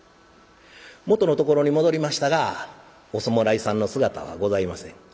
元のところに戻りましたがお侍さんの姿はございません。